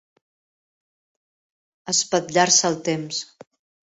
Espatllar-se el temps.